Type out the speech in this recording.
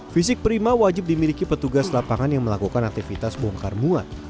fisik prima wajib dimiliki petugas lapangan yang melakukan aktivitas bongkar muat